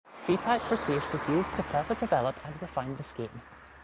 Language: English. Feedback received was used to further develop and refine the scheme.